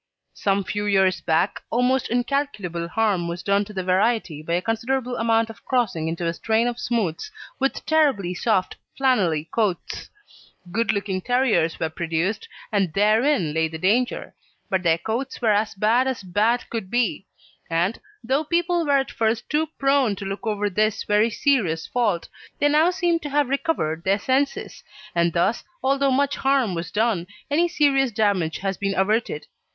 Some few years back, almost incalculable harm was done to the variety by a considerable amount of crossing into a strain of smooths with terribly soft flannelly coats. Good looking terriers were produced, and therein lay the danger, but their coats were as bad as bad could be; and, though people were at first too prone to look over this very serious fault, they now seem to have recovered their senses, and thus, although much harm was done, any serious damage has been averted.